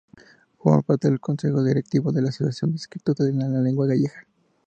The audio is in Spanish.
Formó parte del Consejo Directivo de la Asociación de Escritores en Lengua Gallega.